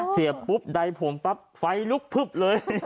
เสียบปุ๊บใดผมปั๊บไฟลุกพึบเลย